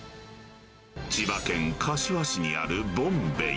千葉県柏市にあるボンベイ。